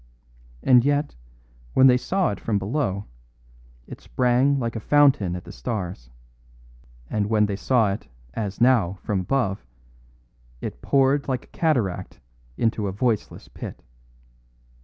And yet, when they saw it from below, it sprang like a fountain at the stars; and when they saw it, as now, from above, it poured like a cataract into a voiceless pit.